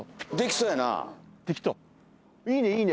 いいねいいね。